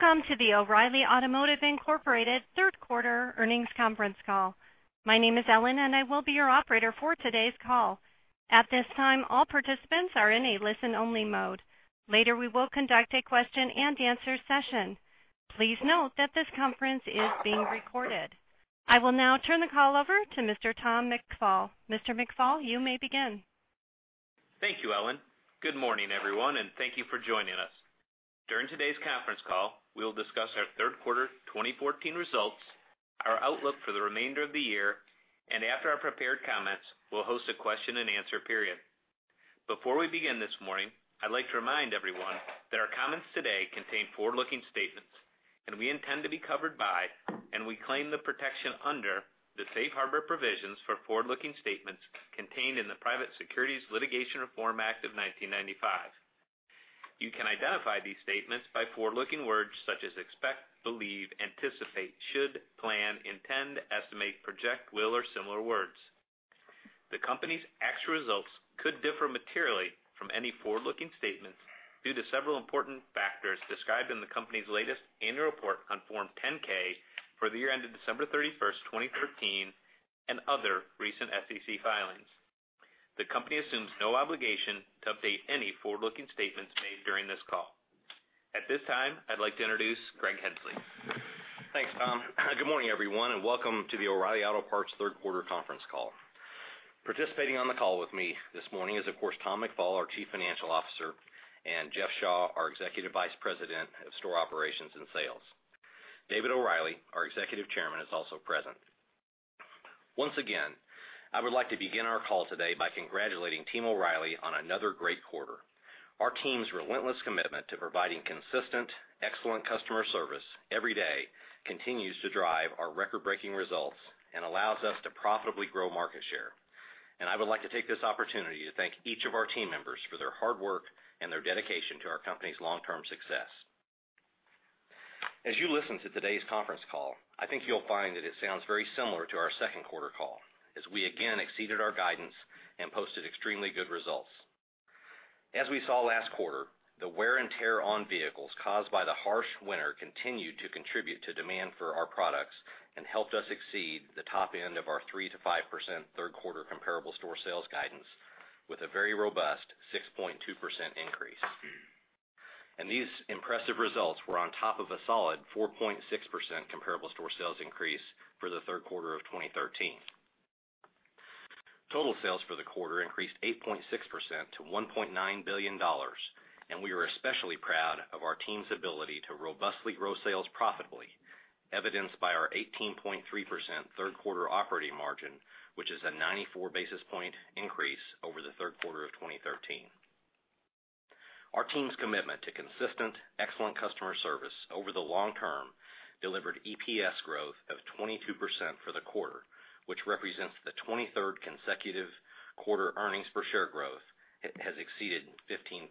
Welcome to the O'Reilly Automotive Incorporated third quarter earnings conference call. My name is Ellen, and I will be your operator for today's call. At this time, all participants are in a listen-only mode. Later, we will conduct a question-and-answer session. Please note that this conference is being recorded. I will now turn the call over to Mr. Tom McFall. Mr. McFall, you may begin. Thank you, Ellen. Good morning, everyone. Thank you for joining us. During today's conference call, we will discuss our third quarter 2014 results, our outlook for the remainder of the year. After our prepared comments, we'll host a question-and-answer period. Before we begin this morning, I'd like to remind everyone that our comments today contain forward-looking statements, and we intend to be covered by, and we claim the protection under, the safe harbor provisions for forward-looking statements contained in the Private Securities Litigation Reform Act of 1995. You can identify these statements by forward-looking words such as expect, believe, anticipate, should, plan, intend, estimate, project, will, or similar words. The company's actual results could differ materially from any forward-looking statements due to several important factors described in the company's latest annual report on Form 10-K for the year ended December 31st, 2013, and other recent SEC filings. The company assumes no obligation to update any forward-looking statements made during this call. At this time, I'd like to introduce Greg Henslee. Thanks, Tom. Good morning, everyone. Welcome to the O'Reilly Auto Parts third quarter conference call. Participating on the call with me this morning is, of course, Tom McFall, our Chief Financial Officer. Jeff Shaw, our Executive Vice President of Store Operations and Sales. David O'Reilly, our Executive Chairman, is also present. Once again, I would like to begin our call today by congratulating Team O'Reilly on another great quarter. Our team's relentless commitment to providing consistent excellent customer service every day continues to drive our record-breaking results and allows us to profitably grow market share. I would like to take this opportunity to thank each of our team members for their hard work and their dedication to our company's long-term success. As you listen to today's conference call, I think you'll find that it sounds very similar to our second quarter call, as we again exceeded our guidance and posted extremely good results. As we saw last quarter, the wear and tear on vehicles caused by the harsh winter continued to contribute to demand for our products and helped us exceed the top end of our 3%-5% third-quarter comparable store sales guidance with a very robust 6.2% increase. These impressive results were on top of a solid 4.6% comparable store sales increase for the third quarter of 2013. Total sales for the quarter increased 8.6% to $1.9 billion. We are especially proud of our team's ability to robustly grow sales profitably, evidenced by our 18.3% third-quarter operating margin, which is a 94-basis-point increase over the third quarter of 2013. Our team's commitment to consistent excellent customer service over the long term delivered EPS growth of 22% for the quarter, which represents the 23rd consecutive quarter earnings per share growth has exceeded 15%.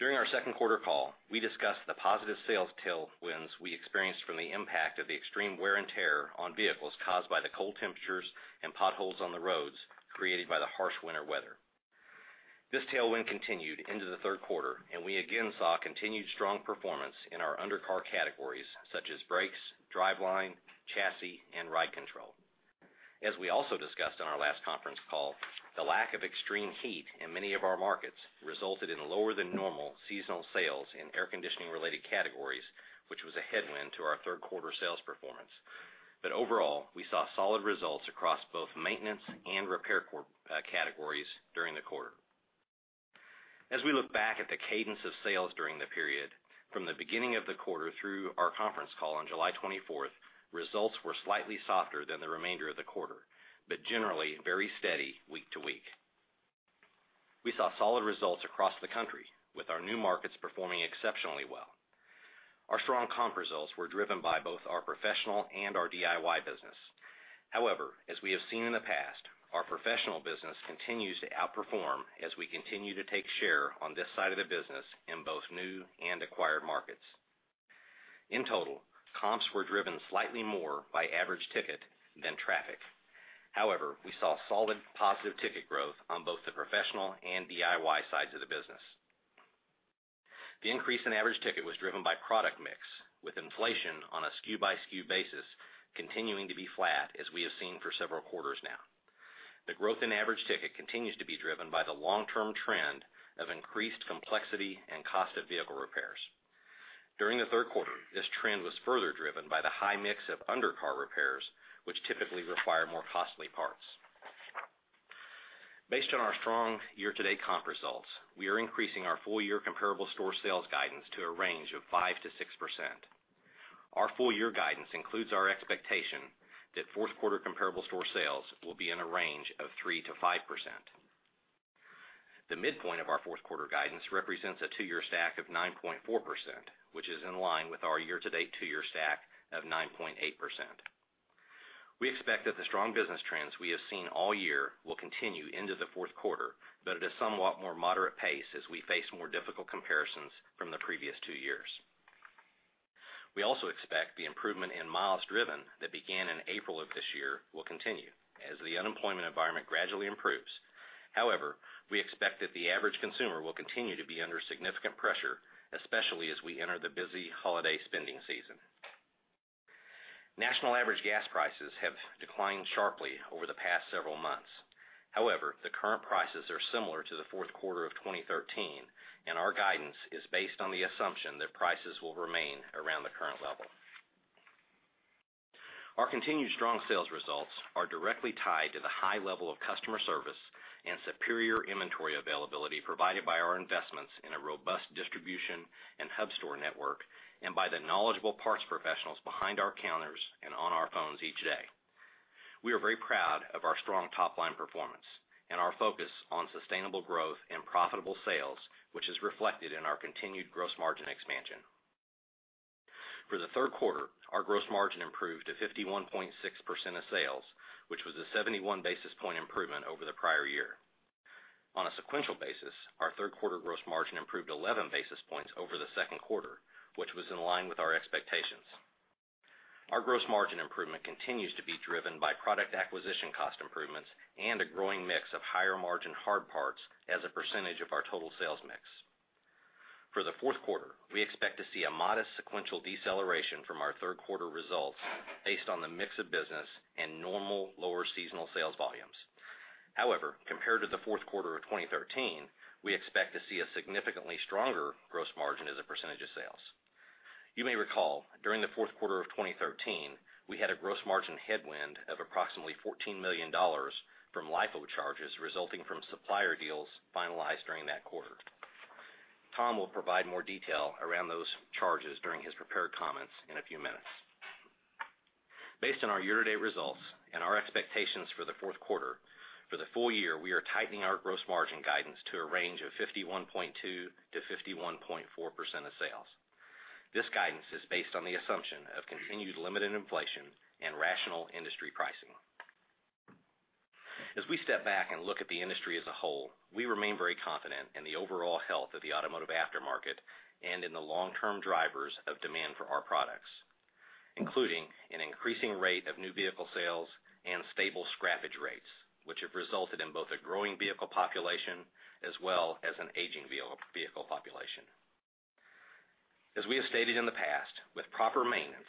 During our second quarter call, we discussed the positive sales tailwinds we experienced from the impact of the extreme wear and tear on vehicles caused by the cold temperatures and potholes on the roads created by the harsh winter weather. This tailwind continued into the third quarter. We again saw continued strong performance in our undercar categories such as brakes, driveline, chassis, and ride control. As we also discussed on our last conference call, the lack of extreme heat in many of our markets resulted in lower-than-normal seasonal sales in air conditioning-related categories, which was a headwind to our third-quarter sales performance. Overall, we saw solid results across both maintenance and repair categories during the quarter. As we look back at the cadence of sales during the period, from the beginning of the quarter through our conference call on July 24th, results were slightly softer than the remainder of the quarter, but generally very steady week to week. We saw solid results across the country, with our new markets performing exceptionally well. Our strong comp results were driven by both our professional and our DIY business. However, as we have seen in the past, our professional business continues to outperform as we continue to take share on this side of the business in both new and acquired markets. In total, comps were driven slightly more by average ticket than traffic. However, we saw solid positive ticket growth on both the professional and DIY sides of the business. The increase in average ticket was driven by product mix, with inflation on a SKU-by-SKU basis continuing to be flat as we have seen for several quarters now. The growth in average ticket continues to be driven by the long-term trend of increased complexity and cost of vehicle repairs. During the third quarter, this trend was further driven by the high mix of undercar repairs, which typically require more costly parts. Based on our strong year-to-date comp results, we are increasing our full-year comparable store sales guidance to a range of 5%-6%. Our full-year guidance includes our expectation that fourth quarter comparable store sales will be in a range of 3%-5%. The midpoint of our fourth quarter guidance represents a two-year stack of 9.4%, which is in line with our year-to-date two-year stack of 9.8%. We expect that the strong business trends we have seen all year will continue into the fourth quarter, but at a somewhat more moderate pace as we face more difficult comparisons from the previous two years. We also expect the improvement in miles driven that began in April of this year will continue as the unemployment environment gradually improves. However, we expect that the average consumer will continue to be under significant pressure, especially as we enter the busy holiday spending season. National average gas prices have declined sharply over the past several months. However, the current prices are similar to the fourth quarter of 2013, and our guidance is based on the assumption that prices will remain around the current level. Our continued strong sales results are directly tied to the high level of customer service and superior inventory availability provided by our investments in a robust distribution and hub store network, and by the knowledgeable parts professionals behind our counters and on our phones each day. We are very proud of our strong top-line performance and our focus on sustainable growth and profitable sales, which is reflected in our continued gross margin expansion. For the third quarter, our gross margin improved to 51.6% of sales, which was a 71-basis-point improvement over the prior year. On a sequential basis, our third quarter gross margin improved 11 basis points over the second quarter, which was in line with our expectations. Our gross margin improvement continues to be driven by product acquisition cost improvements and a growing mix of higher margin hard parts as a percentage of our total sales mix. For the fourth quarter, we expect to see a modest sequential deceleration from our third quarter results based on the mix of business and normal lower seasonal sales volumes. Compared to the fourth quarter of 2013, we expect to see a significantly stronger gross margin as a percentage of sales. You may recall, during the fourth quarter of 2013, we had a gross margin headwind of approximately $14 million from LIFO charges resulting from supplier deals finalized during that quarter. Tom will provide more detail around those charges during his prepared comments in a few minutes. Based on our year-to-date results and our expectations for the fourth quarter, for the full year, we are tightening our gross margin guidance to a range of 51.2%-51.4% of sales. This guidance is based on the assumption of continued limited inflation and rational industry pricing. As we step back and look at the industry as a whole, we remain very confident in the overall health of the automotive aftermarket and in the long-term drivers of demand for our products, including an increasing rate of new vehicle sales and stable scrappage rates, which have resulted in both a growing vehicle population as well as an aging vehicle population. As we have stated in the past, with proper maintenance,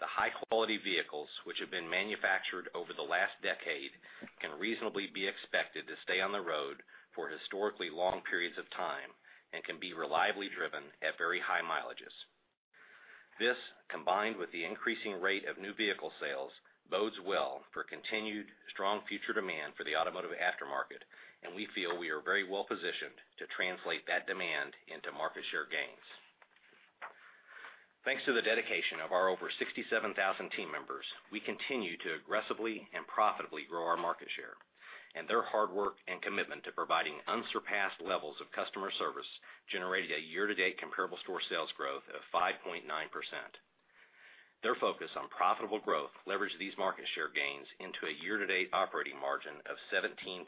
the high-quality vehicles which have been manufactured over the last decade can reasonably be expected to stay on the road for historically long periods of time and can be reliably driven at very high mileages. This, combined with the increasing rate of new vehicle sales, bodes well for continued strong future demand for the automotive aftermarket, and we feel we are very well-positioned to translate that demand into market share gains. Thanks to the dedication of our over 67,000 team members, we continue to aggressively and profitably grow our market share. Their hard work and commitment to providing unsurpassed levels of customer service generated a year-to-date comparable store sales growth of 5.9%. Their focus on profitable growth leveraged these market share gains into a year-to-date operating margin of 17.7%,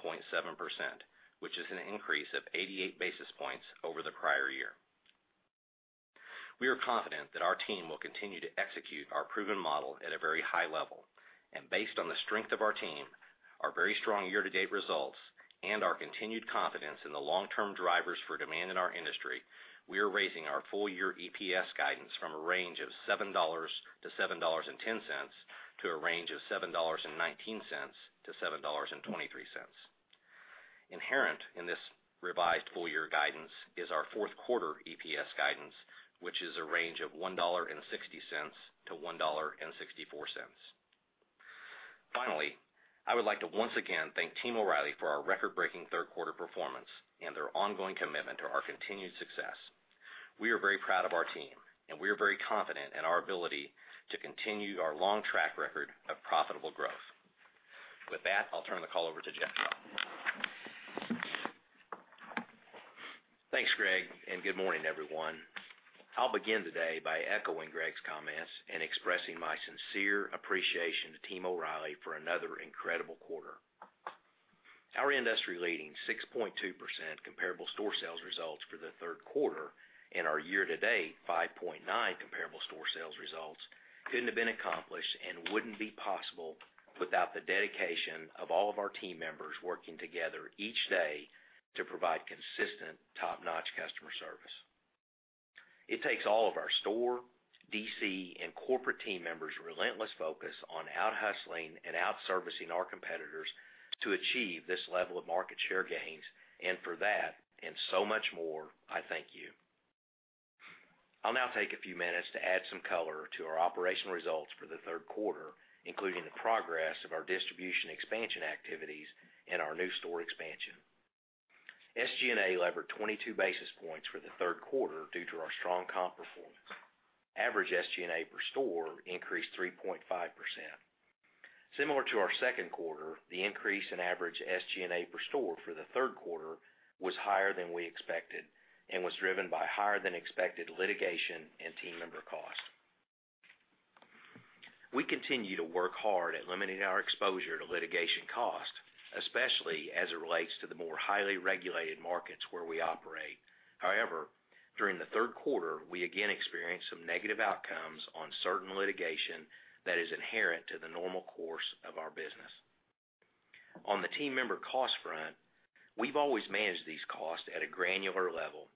which is an increase of 88 basis points over the prior year. Based on the strength of our team, our very strong year-to-date results, and our continued confidence in the long-term drivers for demand in our industry, we are raising our full-year EPS guidance from a range of $7-$7.10 to a range of $7.19-$7.23. Inherent in this revised full-year guidance is our fourth quarter EPS guidance, which is a range of $1.60-$1.64. Finally, I would like to once again thank Team O’Reilly for our record-breaking third quarter performance and their ongoing commitment to our continued success. We are very proud of our team, and we are very confident in our ability to continue our long track record of profitable growth. With that, I'll turn the call over to Jeff Shaw. Thanks, Greg, and good morning, everyone. I'll begin today by echoing Greg's comments and expressing my sincere appreciation to Team O’Reilly for another incredible quarter. Our industry-leading 6.2% comparable store sales results for the third quarter and our year-to-date 5.9% comparable store sales results couldn't have been accomplished and wouldn't be possible without the dedication of all of our team members working together each day to provide consistent top-notch customer service. It takes all of our store, DC, and corporate team members' relentless focus on out-hustling and out-servicing our competitors to achieve this level of market share gains, and for that, and so much more, I thank you. I'll now take a few minutes to add some color to our operational results for the third quarter, including the progress of our distribution expansion activities and our new store expansion. SG&A levered 22 basis points for the third quarter due to our strong comp performance. Average SG&A per store increased 3.5%. Similar to our second quarter, the increase in average SG&A per store for the third quarter was higher than we expected and was driven by higher-than-expected litigation and team member costs. We continue to work hard at limiting our exposure to litigation costs, especially as it relates to the more highly regulated markets where we operate. However, during the third quarter, we again experienced some negative outcomes on certain litigation that is inherent to the normal course of our business. On the team member cost front, we've always managed these costs at a granular level.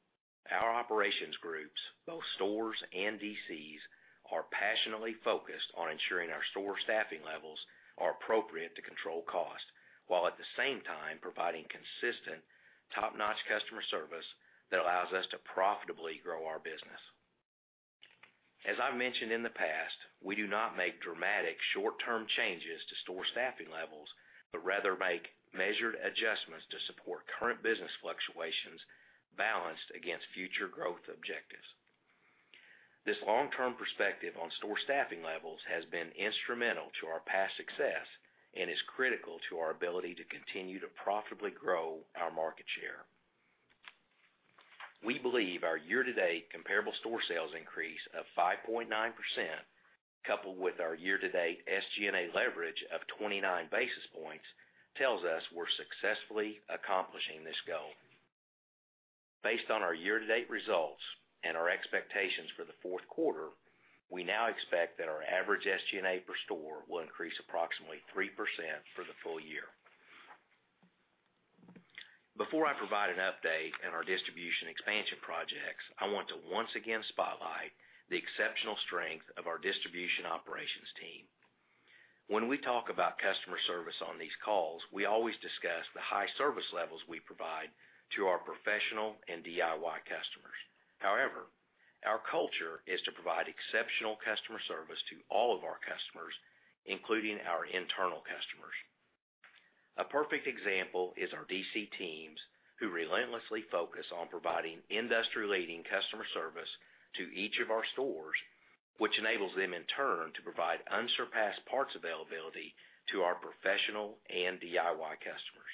Our operations groups, both stores and DCs, are passionately focused on ensuring our store staffing levels are appropriate to control cost, while at the same time providing consistent top-notch customer service that allows us to profitably grow our business. As I've mentioned in the past, we do not make dramatic short-term changes to store staffing levels, rather make measured adjustments to support current business fluctuations balanced against future growth objectives. This long-term perspective on store staffing levels has been instrumental to our past success and is critical to our ability to continue to profitably grow our market share. We believe our year-to-date comparable store sales increase of 5.9%, coupled with our year-to-date SG&A leverage of 29 basis points, tells us we're successfully accomplishing this goal. Based on our year-to-date results and our expectations for the fourth quarter, we now expect that our average SG&A per store will increase approximately 3% for the full year. Before I provide an update on our distribution expansion projects, I want to once again spotlight the exceptional strength of our distribution operations team. When we talk about customer service on these calls, we always discuss the high service levels we provide to our professional and DIY customers. Our culture is to provide exceptional customer service to all of our customers, including our internal customers. A perfect example is our DC teams, who relentlessly focus on providing industry-leading customer service to each of our stores, which enables them in turn to provide unsurpassed parts availability to our professional and DIY customers.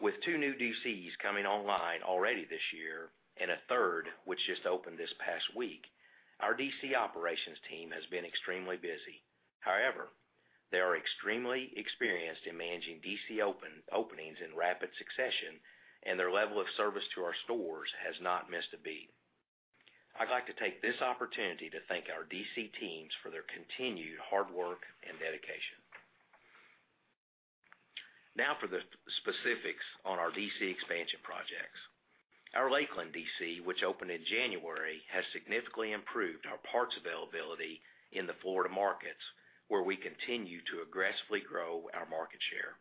With two new DCs coming online already this year, and a third which just opened this past week, our DC operations team has been extremely busy. They are extremely experienced in managing DC openings in rapid succession, and their level of service to our stores has not missed a beat. I'd like to take this opportunity to thank our DC teams for their continued hard work and dedication. For the specifics on our DC expansion projects. Our Lakeland DC, which opened in January, has significantly improved our parts availability in the Florida markets, where we continue to aggressively grow our market share.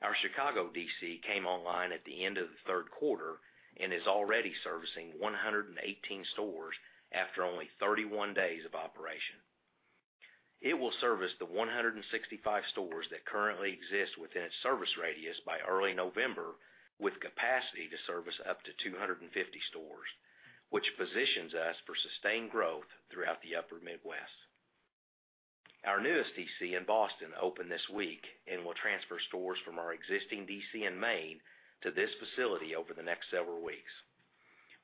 Our Chicago DC came online at the end of the third quarter and is already servicing 118 stores after only 31 days of operation. It will service the 165 stores that currently exist within its service radius by early November, with capacity to service up to 250 stores, which positions us for sustained growth throughout the upper Midwest. Our newest DC in Boston opened this week and will transfer stores from our existing DC in Maine to this facility over the next several weeks.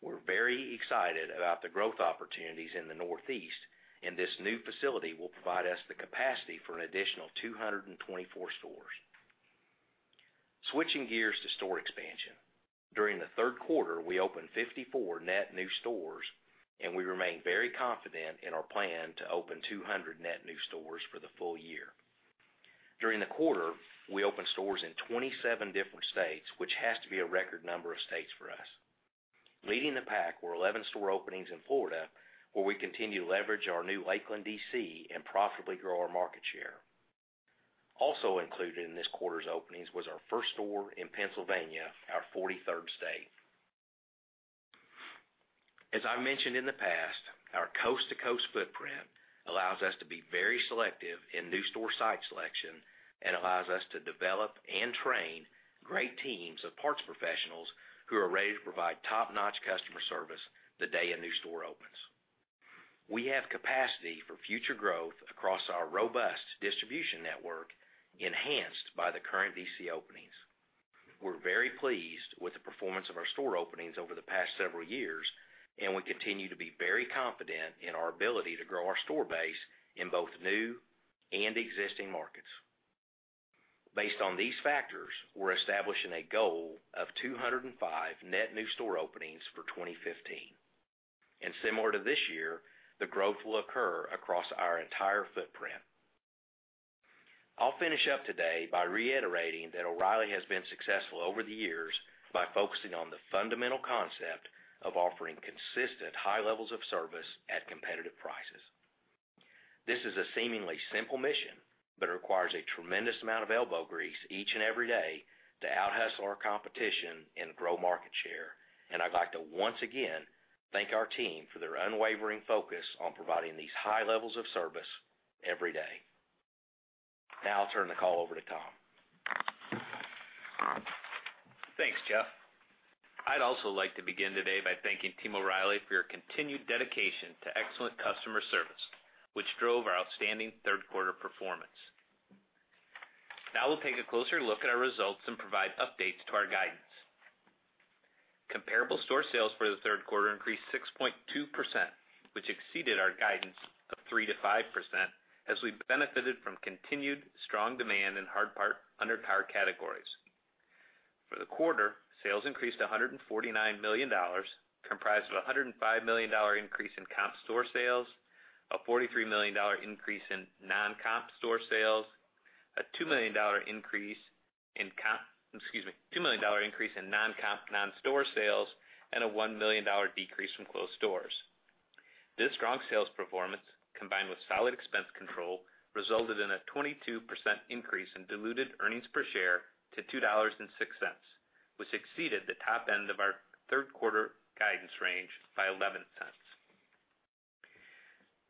We're very excited about the growth opportunities in the Northeast, this new facility will provide us the capacity for an additional 224 stores. Switching gears to store expansion. During the third quarter, we opened 54 net new stores, and we remain very confident in our plan to open 200 net new stores for the full year. During the quarter, we opened stores in 27 different states, which has to be a record number of states for us. Leading the pack were 11 store openings in Florida, where we continue to leverage our new Lakeland DC and profitably grow our market share. Also included in this quarter's openings was our first store in Pennsylvania, our 43rd state. As I mentioned in the past, our coast-to-coast footprint allows us to be very selective in new store site selection and allows us to develop and train great teams of parts professionals who are ready to provide top-notch customer service the day a new store opens. We're very pleased with the performance of our store openings over the past several years, and we continue to be very confident in our ability to grow our store base in both new and existing markets. Based on these factors, we're establishing a goal of 205 net new store openings for 2015. Similar to this year, the growth will occur across our entire footprint. I'll finish up today by reiterating that O’Reilly has been successful over the years by focusing on the fundamental concept of offering consistent high levels of service at competitive prices. This is a seemingly simple mission, but it requires a tremendous amount of elbow grease each and every day to outhustle our competition and grow market share. I'd like to once again thank our team for their unwavering focus on providing these high levels of service every day. Now I'll turn the call over to Tom. Thanks, Jeff. I'd also like to begin today by thanking Team O’Reilly for your continued dedication to excellent customer service, which drove our outstanding third quarter performance. Now we'll take a closer look at our results and provide updates to our guidance. Comparable store sales for the third quarter increased 6.2%, which exceeded our guidance of 3%-5%, as we benefited from continued strong demand in hard part undercar categories. For the quarter, sales increased to $149 million, comprised of $105 million increase in comp store sales, a $43 million increase in non-comp store sales, a $2 million increase in non-comp non-store sales, and a $1 million decrease from closed stores. This strong sales performance, combined with solid expense control, resulted in a 22% increase in diluted earnings per share to $2.06, which exceeded the top end of our third quarter guidance range by $0.11.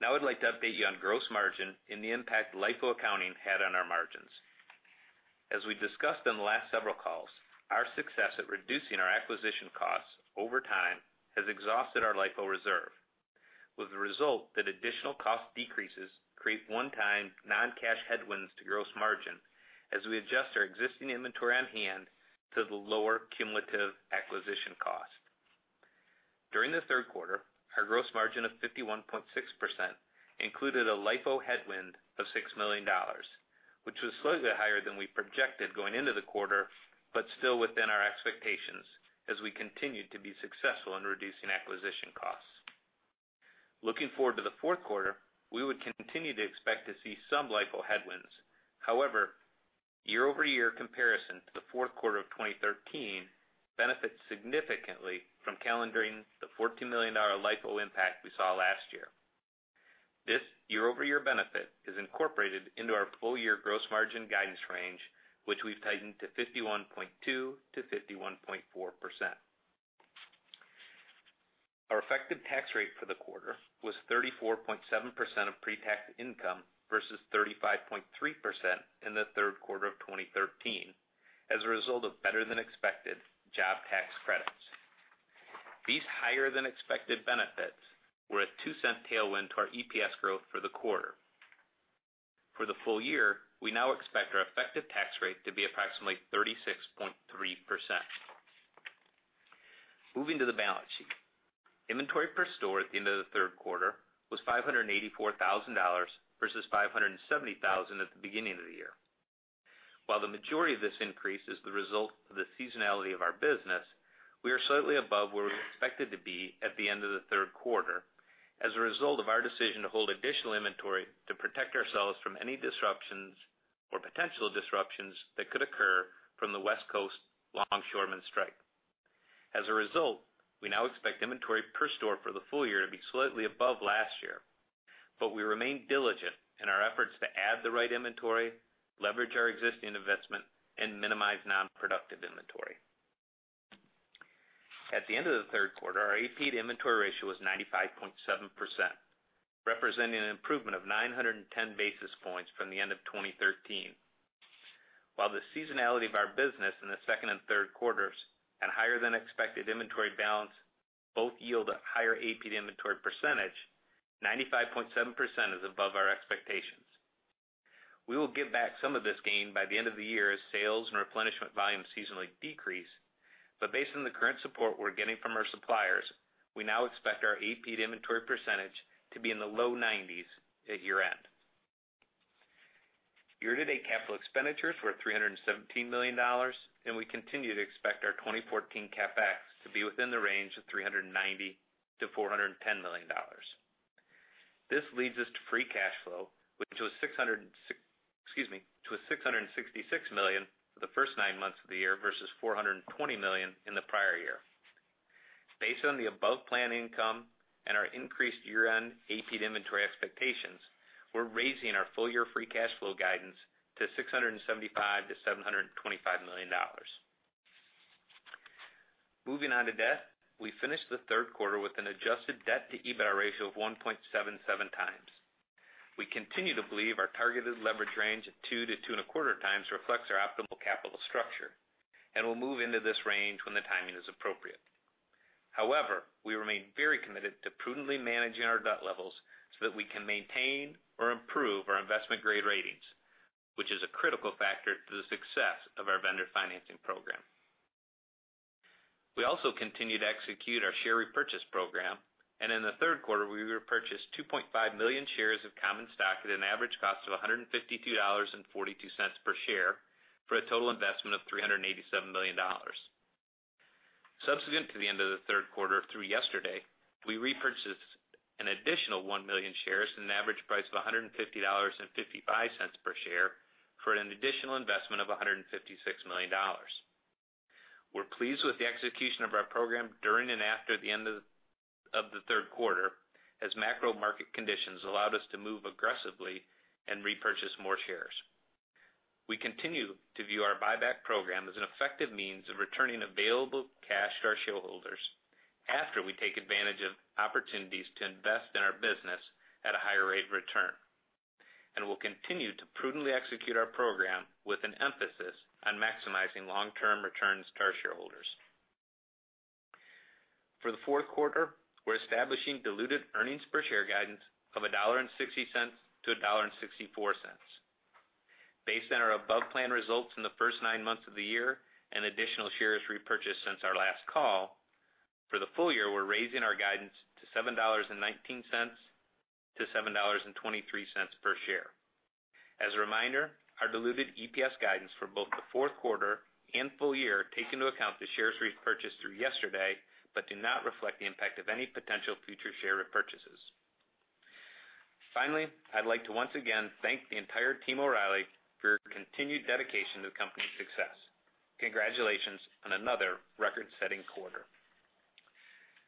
Now I'd like to update you on gross margin and the impact LIFO accounting had on our margins. As we discussed on the last several calls, our success at reducing our acquisition costs over time has exhausted our LIFO reserve, with the result that additional cost decreases create one-time non-cash headwinds to gross margin as we adjust our existing inventory on hand to the lower cumulative acquisition cost. During the third quarter, our gross margin of 51.6% included a LIFO headwind of $6 million, which was slightly higher than we projected going into the quarter, but still within our expectations as we continued to be successful in reducing acquisition costs. Looking forward to the fourth quarter, we would continue to expect to see some LIFO headwinds. However, year-over-year comparison to the fourth quarter of 2013 benefits significantly from calendaring the $14 million LIFO impact we saw last year. This year-over-year benefit is incorporated into our full-year gross margin guidance range, which we've tightened to 51.2%-51.4%. Our effective tax rate for the quarter was 34.7% of pre-tax income versus 35.3% in the third quarter of 2013 as a result of better-than-expected job tax credits. These higher-than-expected benefits were a $0.02 tailwind to our EPS growth for the quarter. For the full year, we now expect our effective tax rate to be approximately 36.3%. Moving to the balance sheet. Inventory per store at the end of the third quarter was $584,000 versus $570,000 at the beginning of the year. While the majority of this increase is the result of the seasonality of our business, we are slightly above where we expected to be at the end of the third quarter as a result of our decision to hold additional inventory to protect ourselves from any disruptions or potential disruptions that could occur from the West Coast longshoremen strike. As a result, we now expect inventory per store for the full year to be slightly above last year. We remain diligent in our efforts to add the right inventory, leverage our existing investment, and minimize non-productive inventory. At the end of the third quarter, our AP inventory ratio was 95.7%, representing an improvement of 910 basis points from the end of 2013. While the seasonality of our business in the second and third quarters and higher-than-expected inventory balance both yield a higher AP inventory percentage, 95.7% is above our expectations. We will give back some of this gain by the end of the year as sales and replenishment volume seasonally decrease, but based on the current support we're getting from our suppliers, we now expect our AP inventory percentage to be in the low 90s at year-end. Year-to-date capital expenditures were $317 million, and we continue to expect our 2014 CapEx to be within the range of $390 million-$410 million. This leads us to free cash flow of $666 million for the first nine months of the year versus $420 million in the prior year. Based on the above planned income and our increased year-end AP inventory expectations, we're raising our full-year free cash flow guidance to $675 million-$725 million. Moving on to debt. We finished the third quarter with an adjusted debt to EBITDA ratio of 1.77 times. We continue to believe our targeted leverage range of two to two and a quarter times reflects our optimal capital structure and will move into this range when the timing is appropriate. However, we remain very committed to prudently managing our debt levels so that we can maintain or improve our investment-grade ratings, which is a critical factor to the success of our vendor financing program. We also continue to execute our share repurchase program, and in the third quarter, we repurchased 2.5 million shares of common stock at an average cost of $152.42 per share for a total investment of $387 million. Subsequent to the end of the third quarter through yesterday, we repurchased an additional 1 million shares at an average price of $150.55 per share for an additional investment of $156 million. We're pleased with the execution of our program during and after the end of the third quarter, as macro market conditions allowed us to move aggressively and repurchase more shares. We continue to view our buyback program as an effective means of returning available cash to our shareholders after we take advantage of opportunities to invest in our business at a higher rate of return. We'll continue to prudently execute our program with an emphasis on maximizing long-term returns to our shareholders. For the fourth quarter, we're establishing diluted EPS guidance of $1.60 to $1.64. Based on our above-plan results in the first nine months of the year and additional shares repurchased since our last call, for the full year, we're raising our guidance to $7.19 to $7.23 per share. As a reminder, our diluted EPS guidance for both the fourth quarter and full year take into account the shares repurchased through yesterday but do not reflect the impact of any potential future share repurchases. Finally, I'd like to once again thank the entire Team O'Reilly for your continued dedication to the company's success. Congratulations on another record-setting quarter.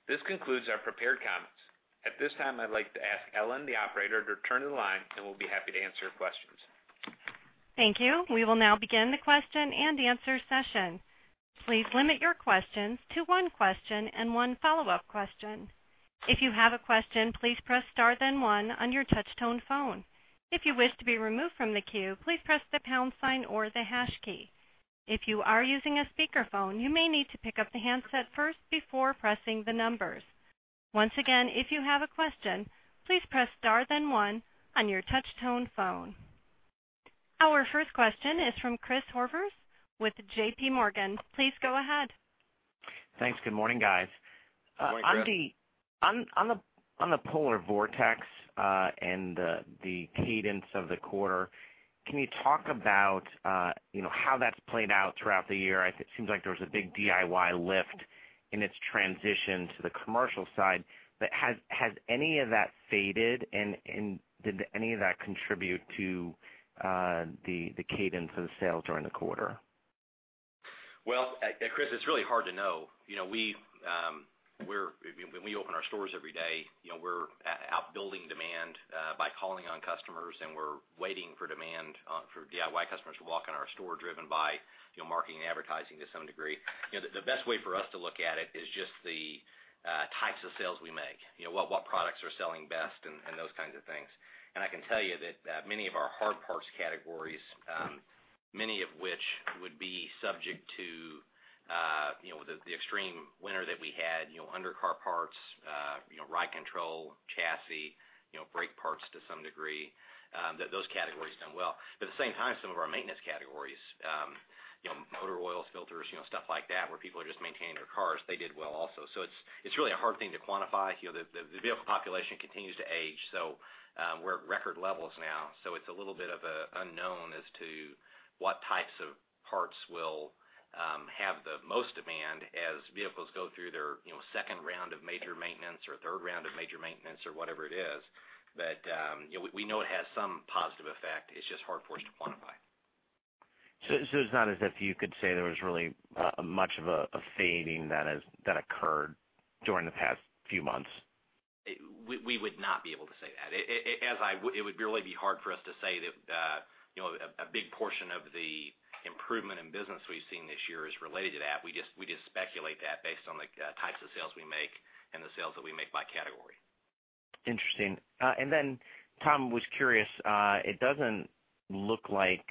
This concludes our prepared comments. At this time, I'd like to ask Ellen, the operator, to return to the line, and we'll be happy to answer questions. Thank you. We will now begin the question-and-answer session. Please limit your questions to one question and one follow-up question. If you have a question, please press star then one on your touch-tone phone. If you wish to be removed from the queue, please press the pound sign or the hash key. If you are using a speakerphone, you may need to pick up the handset first before pressing the numbers. Once again, if you have a question, please press star then one on your touch-tone phone. Our first question is from Chris Horvers with J.P. Morgan. Please go ahead. Thanks. Good morning, guys. Good morning, Chris. On the polar vortex and the cadence of the quarter, can you talk about how that's played out throughout the year? It seems like there was a big DIY lift in its transition to the commercial side, but has any of that faded? Did any of that contribute to the cadence of the sales during the quarter? Well, Chris, it's really hard to know. When we open our stores every day, we're out building demand by calling on customers, and we're waiting for demand for DIY customers to walk in our store driven by marketing and advertising to some degree. The best way for us to look at it is just the types of sales we make, what products are selling best and those kinds of things. I can tell you that many of our hard parts categories, many of which would be subject to the extreme winter that we had, undercar parts, ride control, chassis, brake parts to some degree, that those categories done well. At the same time, some of our maintenance categories, motor oils, filters, stuff like that, where people are just maintaining their cars, they did well also. It's really a hard thing to quantify. The vehicle population continues to age, we're at record levels now. It's a little bit of an unknown as to what types of parts will have the most demand as vehicles go through their second round of major maintenance or third round of major maintenance or whatever it is. We know it has some positive effect. It's just hard for us to quantify. It's not as if you could say there was really much of a fading that occurred during the past few months? We would not be able to say that. It would really be hard for us to say that a big portion of the improvement in business we've seen this year is related to that. We just speculate that based on the types of sales we make and the sales that we make by category. Interesting. Tom, was curious, it doesn't look like,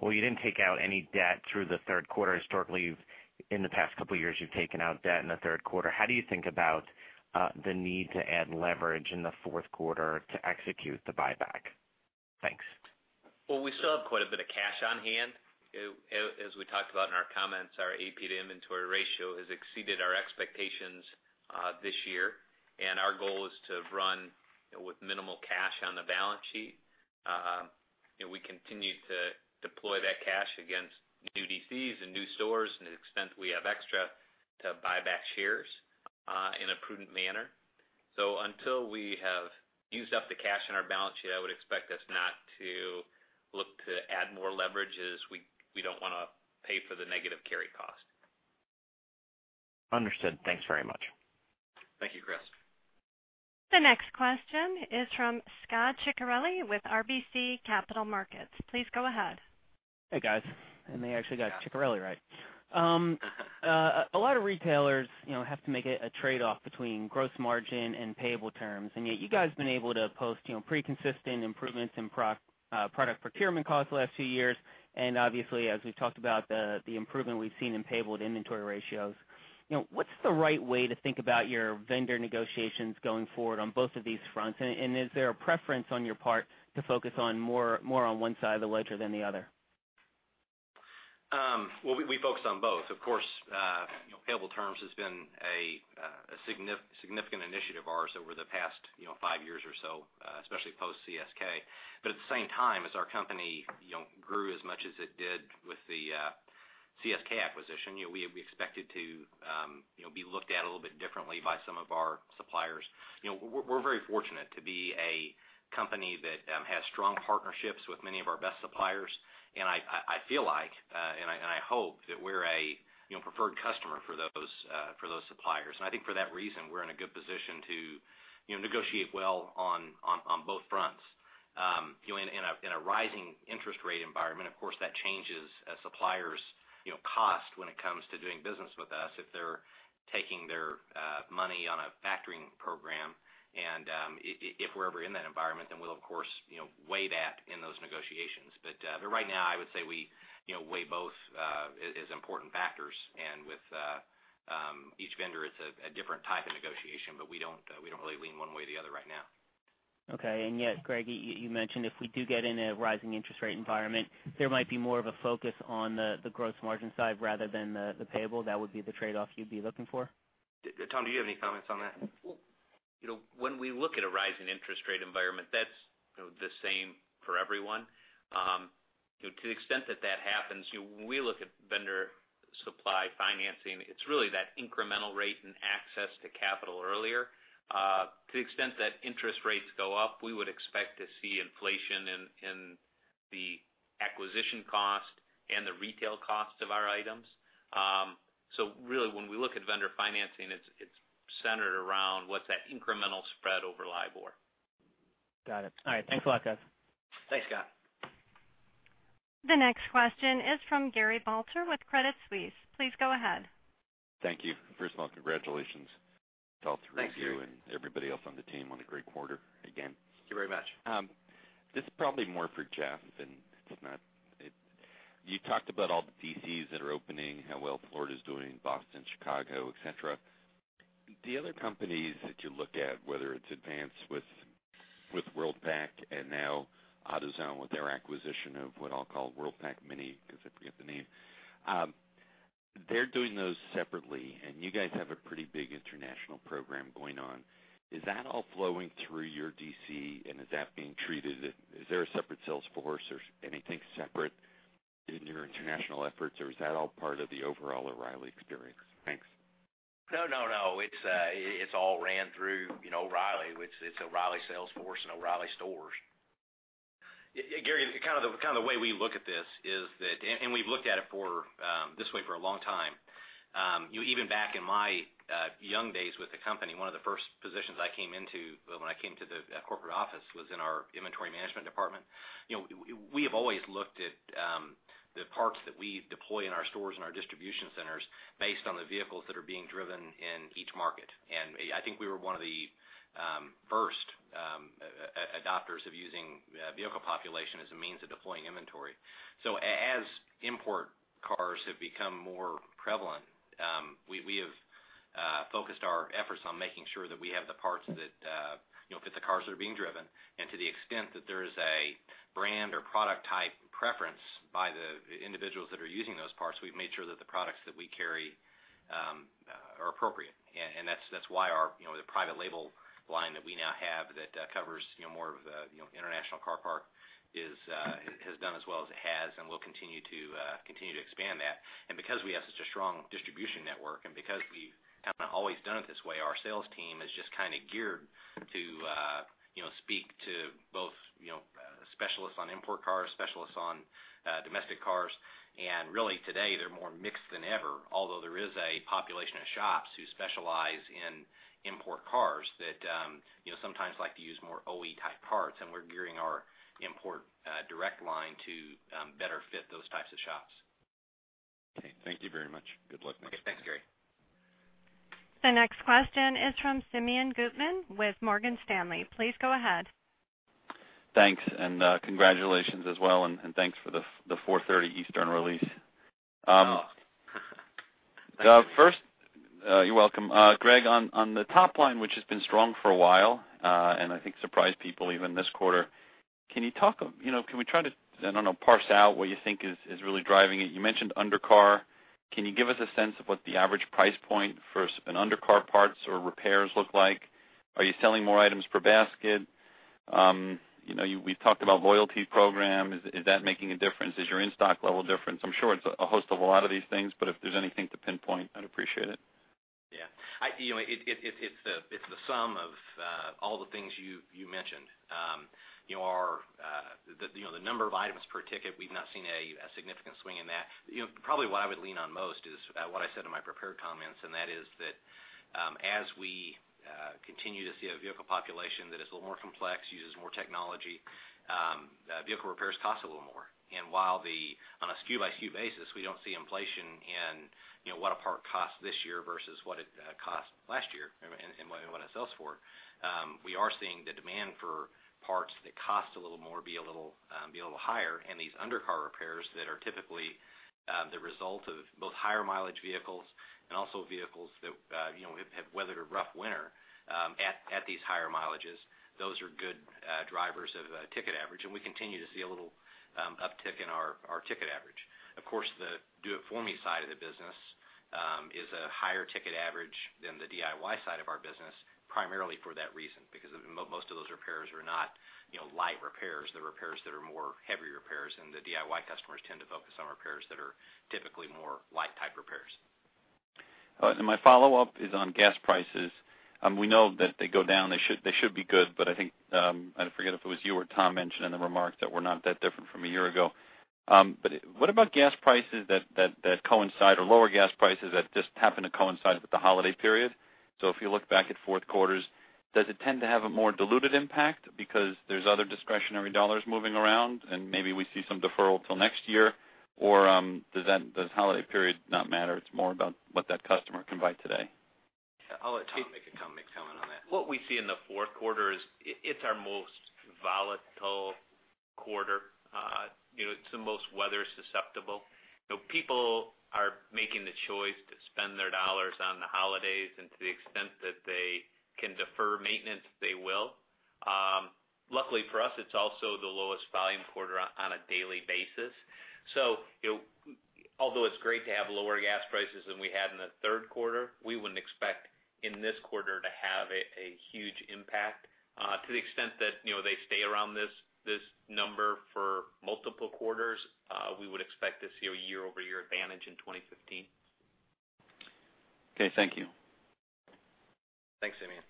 or you didn't take out any debt through the third quarter. Historically, in the past couple of years, you've taken out debt in the third quarter. How do you think about the need to add leverage in the fourth quarter to execute the buyback? Thanks. We still have quite a bit of cash on hand. As we talked about in our comments, our AP to inventory ratio has exceeded our expectations this year, and our goal is to run with minimal cash on the balance sheet. We continue to deploy that cash against new DCs and new stores and the extent we have extra to buy back shares in a prudent manner. Until we have used up the cash on our balance sheet, I would expect us not to look to add more leverage as we don't want to pay for the negative carry cost. Understood. Thanks very much. Thank you, Chris. The next question is from Scot Ciccarelli with RBC Capital Markets. Please go ahead. Hey, guys. They actually got Ciccarelli right. A lot of retailers have to make a trade-off between gross margin and payable terms. Yet you guys have been able to post pretty consistent improvements in product procurement costs the last few years. Obviously, as we've talked about the improvement we've seen in payable to inventory ratios. What's the right way to think about your vendor negotiations going forward on both of these fronts? Is there a preference on your part to focus on more on one side of the ledger than the other? We focus on both. Of course, payable terms has been a significant initiative of ours over the past 5 years or so, especially post-CSK. At the same time, as our company grew as much as it did with the CSK acquisition, we expected to be looked at a little bit differently by some of our suppliers. We're very fortunate to be a company that has strong partnerships with many of our best suppliers. I feel like, and I hope that we're a preferred customer for those suppliers. I think for that reason, we're in a good position to negotiate well on both fronts. In a rising interest rate environment, of course, that changes a supplier's cost when it comes to doing business with us if they're taking their money. If we're ever in that environment, we'll of course, weigh that in those negotiations. Right now, I would say we weigh both as important factors, and with each vendor it's a different type of negotiation. We don't really lean one way or the other right now. Okay. Yet, Greg, you mentioned if we do get in a rising interest rate environment, there might be more of a focus on the gross margin side rather than the payable. That would be the trade-off you'd be looking for? Tom, do you have any comments on that? When we look at a rising interest rate environment, that's the same for everyone. To the extent that that happens, when we look at vendor supply financing, it's really that incremental rate and access to capital earlier. To the extent that interest rates go up, we would expect to see inflation in the acquisition cost and the retail cost of our items. Really, when we look at vendor financing, it's centered around what's that incremental spread over LIBOR. Got it. All right. Thanks a lot, guys. Thanks, Scot. The next question is from Gary Balter with Credit Suisse. Please go ahead. Thank you. First of all, congratulations to all three of you- Thanks, Gary. Everybody else on the team on a great quarter again. Thank you very much. This is probably more for Jeff. You talked about all the DCs that are opening, how well Florida's doing, Boston, Chicago, et cetera. The other companies that you look at, whether it's Advance with Worldpac and now AutoZone with their acquisition of what I'll call Worldpac Mini, because I forget the name. They're doing those separately and you guys have a pretty big international program going on. Is that all flowing through your DC and is that being treated, is there a separate sales force or anything separate in your international efforts or is that all part of the overall O'Reilly experience? Thanks. No, no. It's all ran through O'Reilly. It's O'Reilly sales force and O'Reilly stores. Gary, the way we look at this, and we've looked at it this way for a long time. Even back in my young days with the company, one of the first positions I came into when I came to the corporate office was in our inventory management department. We have always looked at the parts that we deploy in our stores and our distribution centers based on the vehicles that are being driven in each market. I think we were one of the first adopters of using vehicle population as a means of deploying inventory. As import cars have become more prevalent, we have focused our efforts on making sure that we have the parts that fit the cars that are being driven. To the extent that there is a brand or product type preference by the individuals that are using those parts, we've made sure that the products that we carry are appropriate. That's why the private label line that we now have that covers more of the international car park has done as well as it has, and we'll continue to expand that. Because we have such a strong distribution network and because we have always done it this way, our sales team is just geared to speak to both specialists on import cars, specialists on domestic cars. Really today, they're more mixed than ever, although there is a population of shops who specialize in import cars that sometimes like to use more OE type parts, and we're gearing our Import Direct line to better fit those types of shops. Okay, thank you very much. Good luck next time. Okay. Thanks, Gary. The next question is from Simeon Gutman with Morgan Stanley. Please go ahead. Thanks, and congratulations as well, and thanks for the 4:30 P.M. Eastern release. Oh. You're welcome. Greg, on the top line, which has been strong for a while, and I think surprised people even this quarter, can we try to, I don't know, parse out what you think is really driving it? You mentioned undercar. Can you give us a sense of what the average price point for an undercar parts or repairs look like? Are you selling more items per basket? We've talked about loyalty program. Is that making a difference? Is your in-stock level different? I'm sure it's a host of a lot of these things, but if there's anything to pinpoint, I'd appreciate it. Yeah. It's the sum of all the things you mentioned. The number of items per ticket, we've not seen a significant swing in that. Probably what I would lean on most is what I said in my prepared comments, and that is that, as we continue to see a vehicle population that is a little more complex, uses more technology, vehicle repairs cost a little more. While on a SKU by SKU basis, we don't see inflation in what a part costs this year versus what it cost last year and what it sells for, we are seeing the demand for parts that cost a little more be a little higher. These undercar repairs that are typically the result of both higher mileage vehicles and also vehicles that have weathered a rough winter at these higher mileages, those are good drivers of ticket average, and we continue to see a little uptick in our ticket average. Of course, the do it for me side of the business, is a higher ticket average than the DIY side of our business, primarily for that reason, because most of those repairs are not light repairs. They're repairs that are more heavy repairs, the DIY customers tend to focus on repairs that are typically more light type repairs. My follow-up is on gas prices. We know that they go down, they should be good, but I think, I forget if it was you or Tom mentioned in the remarks that we're not that different from a year ago. What about gas prices that coincide or lower gas prices that just happen to coincide with the holiday period? If you look back at fourth quarters, does it tend to have a more diluted impact because there's other discretionary dollars moving around and maybe we see some deferral till next year? Or does holiday period not matter? It's more about what that customer can buy today. I'll let Tom make a comment on that. What we see in the fourth quarter is, it's our most volatile quarter It's the most weather susceptible. People are making the choice to spend their dollars on the holidays, and to the extent that they can defer maintenance, they will. Luckily for us, it's also the lowest volume quarter on a daily basis. Although it's great to have lower gas prices than we had in the third quarter, we wouldn't expect in this quarter to have a huge impact. To the extent that they stay around this number for multiple quarters, we would expect to see a year-over-year advantage in 2015. Okay, thank you. Thanks, Simeon.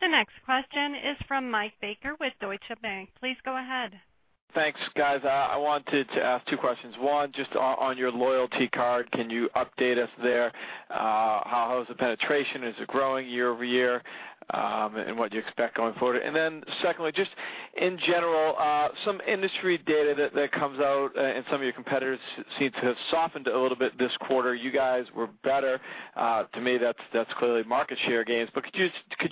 The next question is from Michael Baker with Deutsche Bank. Please go ahead. Thanks, guys. I wanted to ask two questions. One, just on your loyalty card, can you update us there? How is the penetration? Is it growing year-over-year? What do you expect going forward? Secondly, just in general, some industry data that comes out, and some of your competitors seem to have softened a little bit this quarter. You guys were better. To me, that's clearly market share gains. Could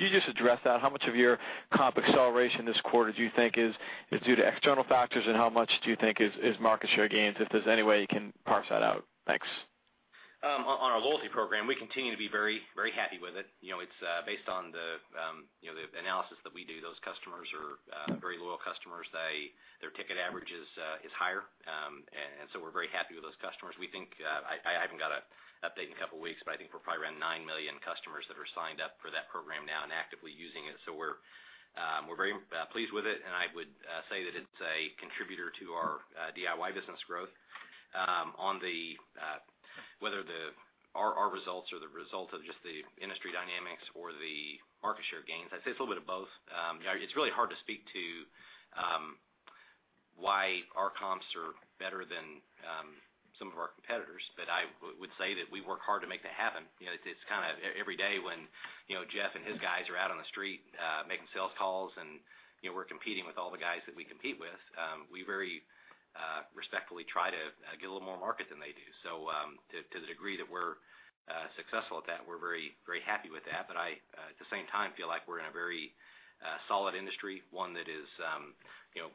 you just address that? How much of your comp acceleration this quarter do you think is due to external factors, and how much do you think is market share gains, if there's any way you can parse that out? Thanks. On our loyalty program, we continue to be very happy with it. It's based on the analysis that we do. Those customers are very loyal customers. Their ticket average is higher. We're very happy with those customers. I haven't got an update in a couple of weeks, but I think we're probably around nine million customers that are signed up for that program now and actively using it. We're very pleased with it, and I would say that it's a contributor to our DIY business growth. On whether our results are the result of just the industry dynamics or the market share gains, I'd say it's a little bit of both. It's really hard to speak to why our comps are better than some of our competitors, I would say that we work hard to make that happen. It's every day when Jeff and his guys are out on the street making sales calls. We're competing with all the guys that we compete with. We very respectfully try to get a little more market than they do. To the degree that we're successful at that, we're very happy with that. I, at the same time, feel like we're in a very solid industry, one that is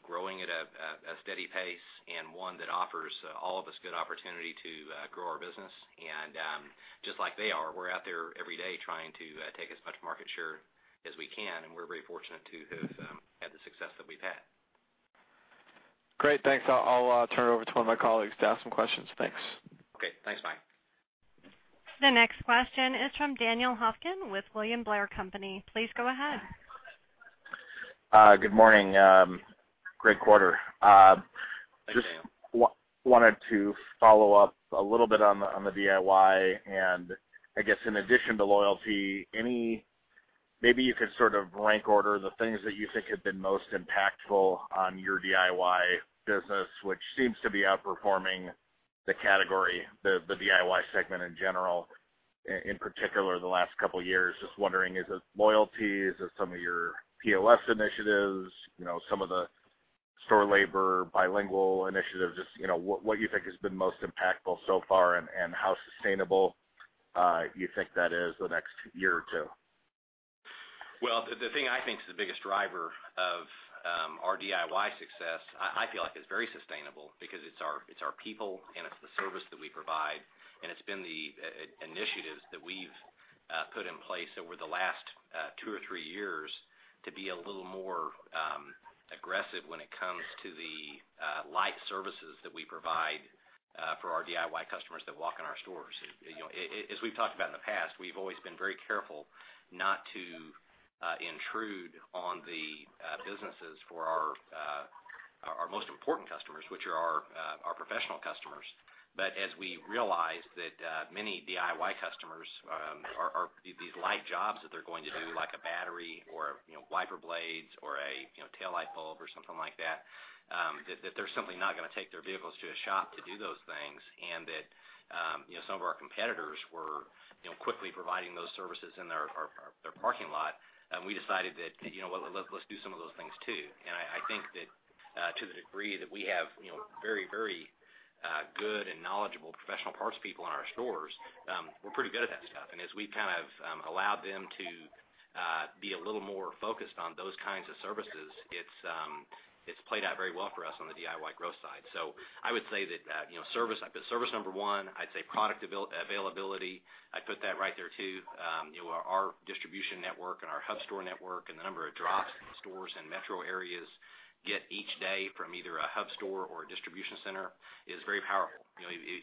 growing at a steady pace and one that offers all of us good opportunity to grow our business. Just like they are, we're out there every day trying to take as much market share as we can, and we're very fortunate to have had the success that we've had. Great. Thanks. I'll turn it over to one of my colleagues to ask some questions. Thanks. Okay. Thanks, Mike. The next question is from Daniel Hoffman with William Blair & Company. Please go ahead. Good morning. Great quarter. Thanks, Dan. I guess in addition to loyalty, maybe you could sort of rank order the things that you think have been most impactful on your DIY business, which seems to be outperforming the category, the DIY segment in general, in particular the last couple of years. Just wondering, is it loyalty? Is it some of your POS initiatives, some of the store labor, bilingual initiatives? Just what you think has been most impactful so far and how sustainable you think that is the next year or two. Well, the thing I think is the biggest driver of our DIY success, I feel like is very sustainable because it's our people and it's the service that we provide, and it's been the initiatives that we've put in place over the last two or three years to be a little more aggressive when it comes to the light services that we provide for our DIY customers that walk in our stores. As we've talked about in the past, we've always been very careful not to intrude on the businesses for our most important customers, which are our professional customers. As we realized that many DIY customers, these light jobs that they're going to do, like a battery or wiper blades or a tail light bulb or something like that they're simply not going to take their vehicles to a shop to do those things. That some of our competitors were quickly providing those services in their parking lot. We decided that, let's do some of those things, too. I think that to the degree that we have very good and knowledgeable professional parts people in our stores, we're pretty good at that stuff. As we've kind of allowed them to be a little more focused on those kinds of services, it's played out very well for us on the DIY growth side. I would say that, put service number one. I'd say product availability, I'd put that right there, too. Our distribution network and our hub store network and the number of drops in stores and metro areas get each day from either a hub store or a distribution center is very powerful.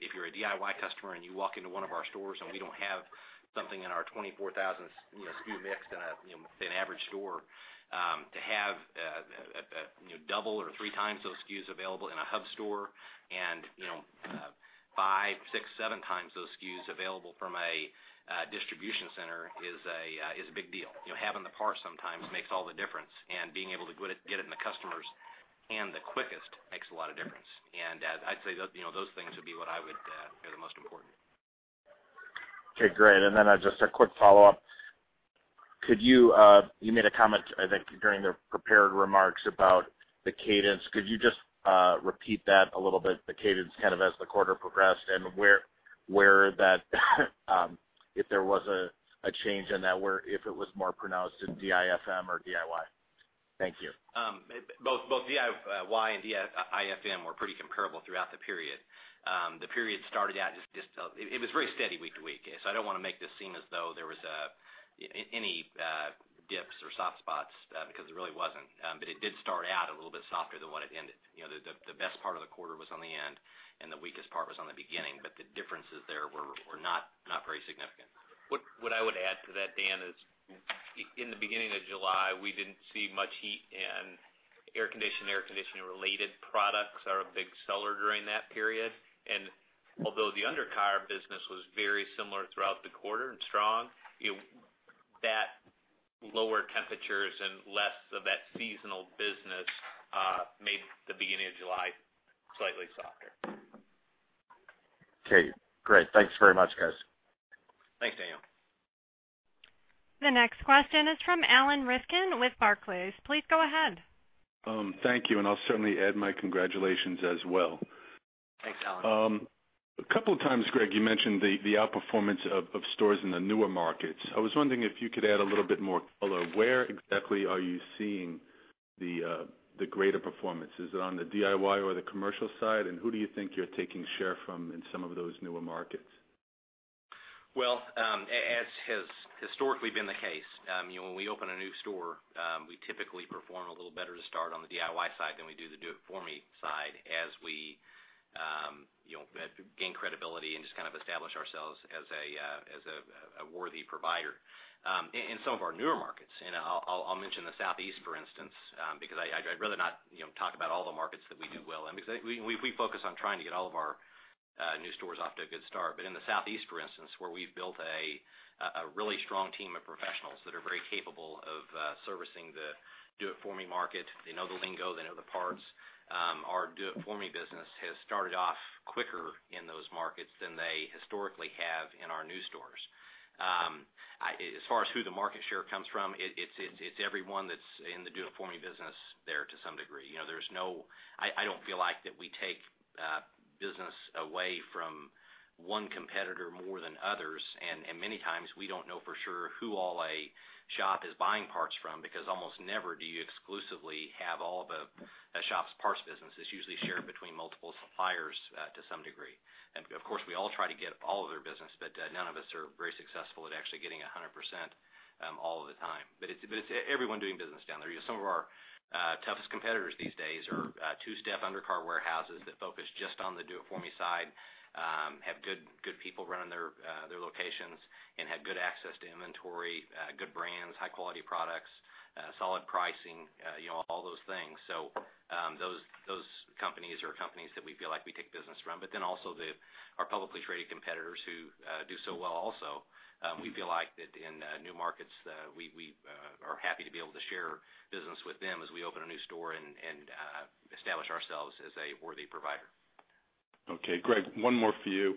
If you're a DIY customer and you walk into one of our stores and we don't have something in our 24,000 SKU mix in an average store, to have double or 3 times those SKUs available in a hub store and 5, 6, 7 times those SKUs available from a distribution center is a big deal. Having the part sometimes makes all the difference, and being able to get it in the customer's hand the quickest makes a lot of difference. I'd say those things would be what I would say are the most important. Okay, great. Just a quick follow-up. You made a comment, I think, during the prepared remarks about the cadence. Could you just repeat that a little bit, the cadence kind of as the quarter progressed and where that if there was a change in that, where if it was more pronounced in DIFM or DIY? Thank you. Both DIY and DIFM were pretty comparable throughout the period. The period started out, it was very steady week to week. I don't want to make this seem as though there was any dips or soft spots, because there really wasn't. It did start out a little bit softer than what it ended. The best part of the quarter was on the end, and the weakest part was on the beginning, but the differences there were not very significant. What I would add to that, Dan, is in the beginning of July, we didn't see much heat, and air condition and air conditioning-related products are a big seller during that period. Although the undercar business was very similar throughout the quarter and strong, that lower temperatures and less of that seasonal business made the beginning of July slightly softer. Okay, great. Thanks very much, guys. Thanks, Dan. The next question is from Alan Rifkin with Barclays. Please go ahead. Thank you. I'll certainly add my congratulations as well. Thanks, Alan. A couple of times, Greg, you mentioned the outperformance of stores in the newer markets. I was wondering if you could add a little bit more color. Where exactly are you seeing the greater performance? Is it on the DIY or the commercial side? Who do you think you're taking share from in some of those newer markets? Well, as has historically been the case, when we open a new store, we typically perform a little better to start on the DIY side than we do the do it for me side as we gain credibility and just kind of establish ourselves as a worthy provider. In some of our newer markets, I'll mention the Southeast, for instance, because I'd rather not talk about all the markets that we do well in, because we focus on trying to get all of our new stores off to a good start. In the Southeast, for instance, where we've built a really strong team of professionals that are very capable of servicing the do it for me market. They know the lingo, they know the parts. Our do it for me business has started off quicker in those markets than they historically have in our new stores. As far as who the market share comes from, it's everyone that's in the do it for me business there to some degree. I don't feel like that we take business away from one competitor more than others, and many times, we don't know for sure who all a shop is buying parts from, because almost never do you exclusively have all of a shop's parts business. It's usually shared between multiple suppliers to some degree. Of course, we all try to get all of their business, but none of us are very successful at actually getting 100% all of the time. It's everyone doing business down there. Some of our toughest competitors these days are two-step undercar warehouses that focus just on the do it for me side, have good people running their locations and have good access to inventory, good brands, high-quality products, solid pricing, all those things. Also our publicly traded competitors who do so well also. We feel like that in new markets, we are happy to be able to share business with them as we open a new store and establish ourselves as a worthy provider. Okay, Greg, one more for you,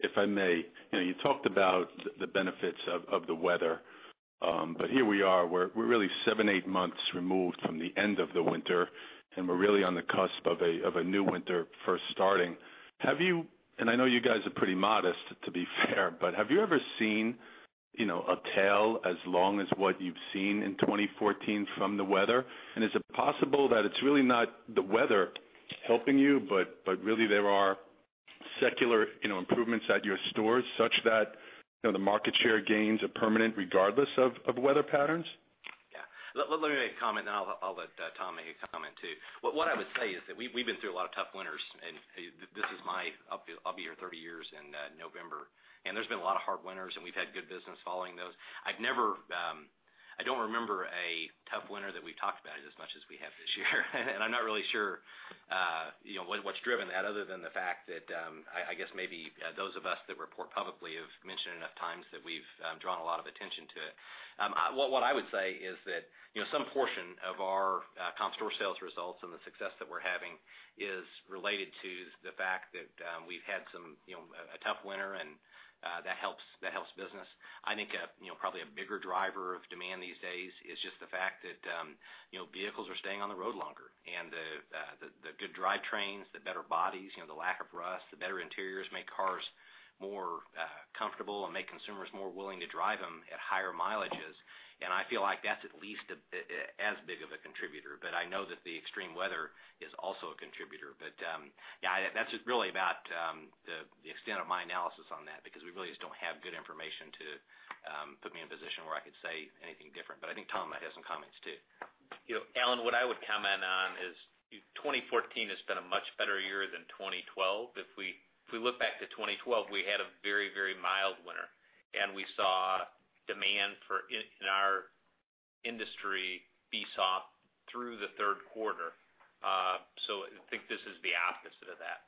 if I may. You talked about the benefits of the weather. Here we are, we're really seven, eight months removed from the end of the winter, and we're really on the cusp of a new winter first starting. I know you guys are pretty modest, to be fair, but have you ever seen a tail as long as what you've seen in 2014 from the weather? Is it possible that it's really not the weather helping you, but really there are secular improvements at your stores such that the market share gains are permanent regardless of weather patterns? Yeah. Let me make a comment, and I'll let Tom make a comment, too. What I would say is that we've been through a lot of tough winters, I'll be here 30 years in November, and there's been a lot of hard winters, and we've had good business following those. I don't remember a tough winter that we've talked about it as much as we have this year. I'm not really sure what's driven that other than the fact that, I guess maybe those of us that report publicly have mentioned enough times that we've drawn a lot of attention to it. What I would say is that some portion of our comp store sales results and the success that we're having is related to the fact that we've had a tough winter, and that helps business. I think probably a bigger driver of demand these days is just the fact that vehicles are staying on the road longer. The good drivetrains, the better bodies, the lack of rust, the better interiors make cars more comfortable and make consumers more willing to drive them at higher mileages. I feel like that's at least as big of a contributor. I know that the extreme weather is also a contributor. Yeah, that's just really about the extent of my analysis on that because we really just don't have good information to put me in a position where I could say anything different. I think Tom might have some comments, too. Alan, what I would comment on is 2014 has been a much better year than 2012. If we look back to 2012, we had a very mild winter, and we saw demand in our industry be soft through the third quarter. I think this is the opposite of that.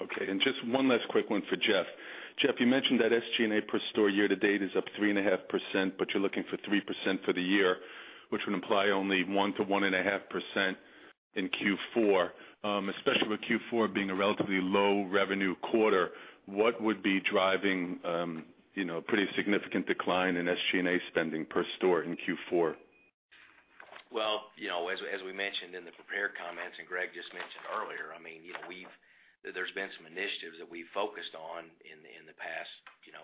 Okay, just one last quick one for Jeff. Jeff, you mentioned that SG&A per store year to date is up 3.5%, you're looking for 3% for the year, which would imply only 1%-1.5% in Q4. Especially with Q4 being a relatively low revenue quarter, what would be driving a pretty significant decline in SG&A spending per store in Q4? Well, as we mentioned in the prepared comments, Greg just mentioned earlier, there's been some initiatives that we've focused on in the past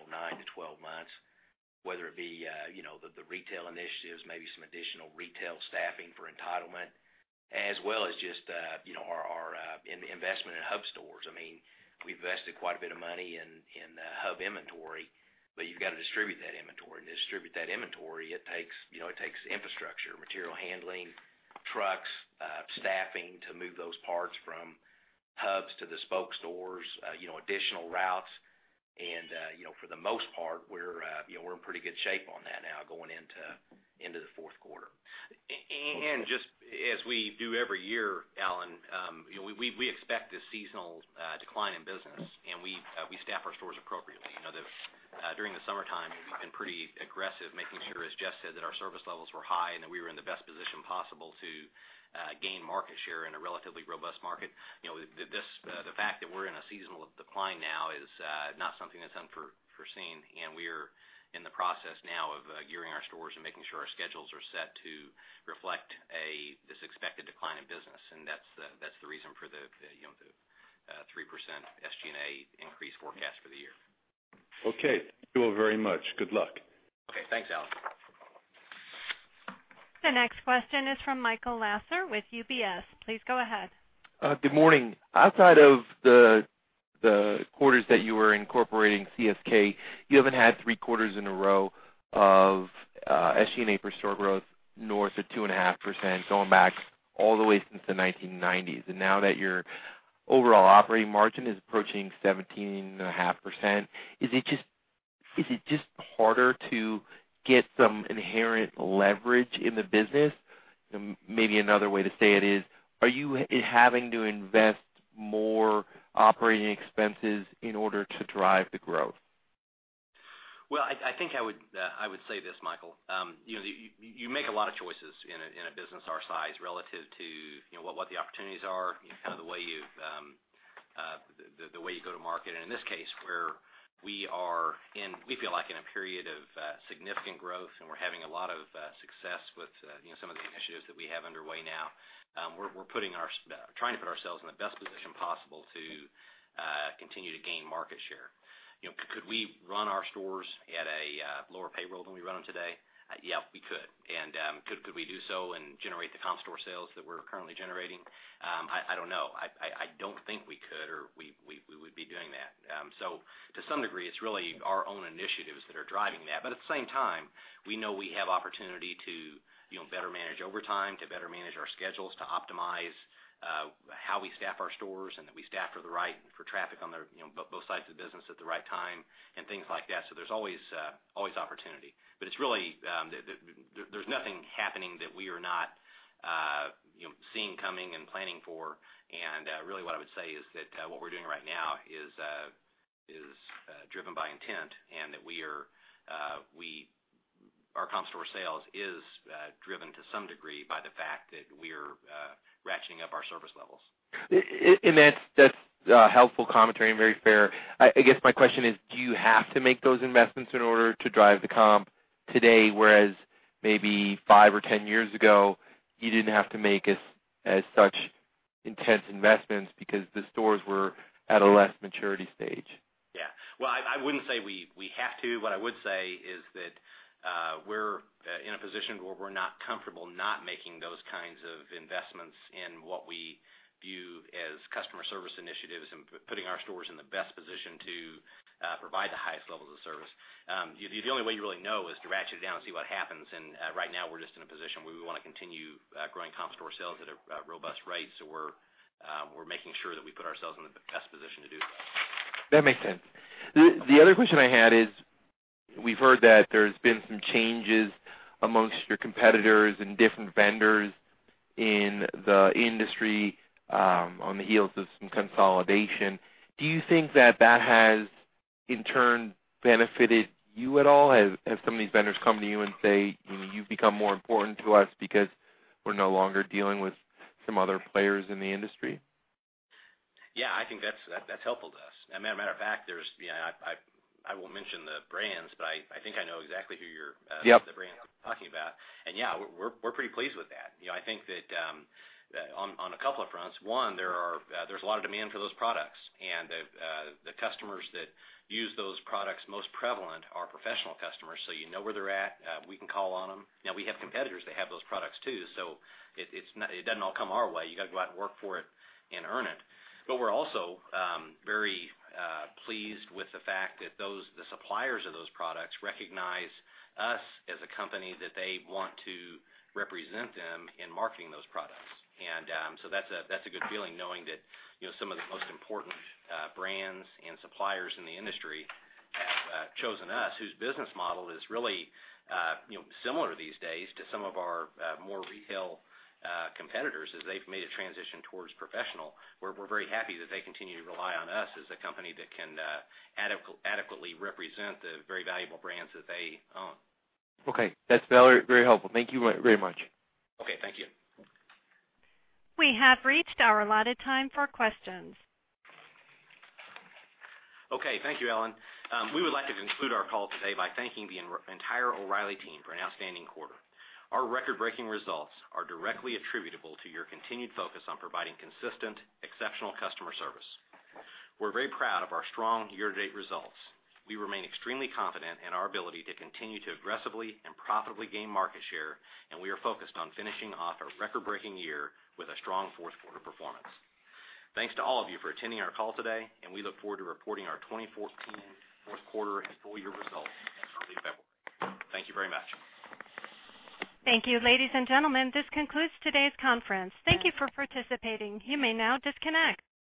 nine to 12 months, whether it be the retail initiatives, maybe some additional retail staffing for entitlement, as well as just our investment in hub stores. We've invested quite a bit of money in hub inventory, you've got to distribute that inventory. To distribute that inventory, it takes infrastructure, material handling, trucks, staffing to move those parts from hubs to the spoke stores, additional routes. For the most part, we're in pretty good shape on that now going into the fourth quarter. Just as we do every year, Alan, we expect a seasonal decline in business, and we staff our stores appropriately. During the summertime, we've been pretty aggressive, making sure, as Jeff said, that our service levels were high and that we were in the best position possible to gain market share in a relatively robust market. The fact that we're in a seasonal decline now is not something that's unforeseen. We're in the process now of gearing our stores and making sure our schedules are set to reflect this expected decline in business. That's the reason for the 3% SG&A increase forecast for the year. Okay. Thank you all very much. Good luck. Okay. Thanks, Alan. The next question is from Michael Lasser with UBS. Please go ahead. Good morning. Outside of the quarters that you were incorporating CSK, you haven't had three quarters in a row of SG&A per store growth north of 2.5% going back all the way since the 1990s. Now that your overall operating margin is approaching 17.5%, is it just harder to get some inherent leverage in the business? Maybe another way to say it is, are you having to invest more operating expenses in order to drive the growth? Well, I think I would say this, Michael. You make a lot of choices in a business our size relative to what the opportunities are, kind of the way you go to market. In this case, where we are in, we feel like, in a period of significant growth, and we're having a lot of success with some of the initiatives that we have underway now. We're trying to put ourselves in the best position possible to continue to gain market share. Could we run our stores at a lower payroll than we run them today? Yeah, we could. Could we do so and generate the comp store sales that we're currently generating? I don't know. I don't think we could, or we would be doing that. To some degree, it's really our own initiatives that are driving that. At the same time, we know we have opportunity to better manage overtime, to better manage our schedules, to optimize how we staff our stores, and that we staff for traffic on both sides of the business at the right time, and things like that. There's always opportunity. There's nothing happening that we are not seeing coming and planning for. Really what I would say is that what we're doing right now is driven by intent and that our comp store sales is driven to some degree by the fact that we're ratcheting up our service levels. That's helpful commentary and very fair. I guess my question is, do you have to make those investments in order to drive the comp today, whereas maybe five or 10 years ago, you didn't have to make as such intense investments because the stores were at a less maturity stage? Well, I wouldn't say we have to. What I would say is that we're in a position where we're not comfortable not making those kinds of investments in what we view as customer service initiatives and putting our stores in the best position to provide the highest levels of service. The only way you really know is to ratchet it down and see what happens. Right now, we're just in a position where we want to continue growing comp store sales at a robust rate. We're making sure that we put ourselves in the best position to do that. That makes sense. The other question I had is, we've heard that there's been some changes amongst your competitors and different vendors in the industry on the heels of some consolidation. Do you think that that has, in turn, benefited you at all? Have some of these vendors come to you and say, "You've become more important to us because we're no longer dealing with some other players in the industry"? I think that's helpful to us. As a matter of fact, I won't mention the brands, but I think I know exactly who the brands you're talking about. Yeah, we're pretty pleased with that. I think that on a couple of fronts, one, there's a lot of demand for those products. The customers that use those products most prevalent are professional customers. You know where they're at. We can call on them. Now we have competitors that have those products too, so it doesn't all come our way. You got to go out and work for it and earn it. We're also very pleased with the fact that the suppliers of those products recognize us as a company that they want to represent them in marketing those products. That's a good feeling, knowing that some of the most important brands and suppliers in the industry have chosen us, whose business model is really similar these days to some of our more retail competitors as they've made a transition towards professional, where we're very happy that they continue to rely on us as a company that can adequately represent the very valuable brands that they own. Okay. That's very helpful. Thank you very much. Okay. Thank you. We have reached our allotted time for questions. Okay. Thank you, Ellen. We would like to conclude our call today by thanking the entire O'Reilly team for an outstanding quarter. Our record-breaking results are directly attributable to your continued focus on providing consistent, exceptional customer service. We're very proud of our strong year-to-date results. We remain extremely confident in our ability to continue to aggressively and profitably gain market share, and we are focused on finishing off a record-breaking year with a strong fourth quarter performance. Thanks to all of you for attending our call today, and we look forward to reporting our 2014 fourth quarter and full year results in early February. Thank you very much. Thank you. Ladies and gentlemen, this concludes today's conference. Thank you for participating. You may now disconnect.